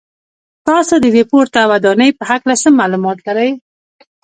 تاسو د دې پورته ودانۍ په هکله څه معلومات لرئ.